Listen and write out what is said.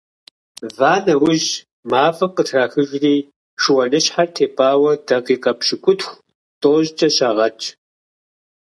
Ва нэужь, мафӀэм къытрахыжри, шыуаныщхьэр тепӀауэ дакъикъэ пщыкӏутху-тӏощӏкӏэ щагъэтщ.